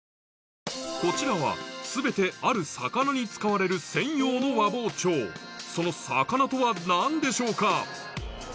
こちらは全てある魚に使われる専用の和包丁その魚とは何でしょうか？